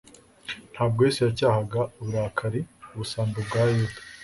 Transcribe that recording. Ntabwo Yesu yacyahanaga uburakari ubusambo bwa Yuda.